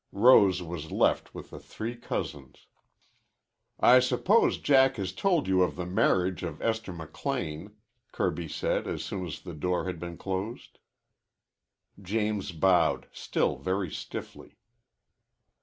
Rose was left with the three cousins. "I suppose Jack has told you of the marriage of Esther McLean," Kirby said as soon as the door had been closed. James bowed, still very stiffly.